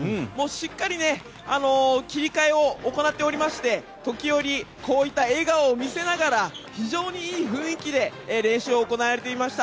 しっかり切り替えを行っておりまして時折、笑顔も見せながら非常にいい雰囲気で練習が行われていました。